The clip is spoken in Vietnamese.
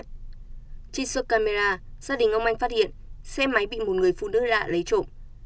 trích xuất camera gia đình ông anh phát hiện xe máy bị một người phụ nữ lạ lấy trộm